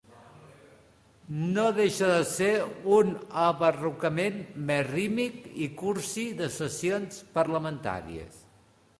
No deixa de ser un abarrocament més rítmic i cursi de "sessions parlamentàries".